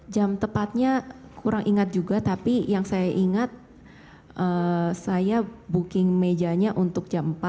jam tepatnya kurang ingat juga tapi yang saya ingat saya booking mejanya untuk jam empat